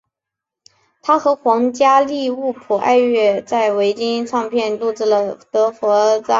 他和皇家利物浦爱乐在维京唱片录制了德佛札克的交响曲全集和管弦乐作品。